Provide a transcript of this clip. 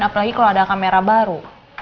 apalagi kalau ada kamera baru